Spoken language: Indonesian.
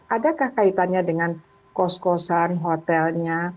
adakah kaitannya dengan kos kosan hotelnya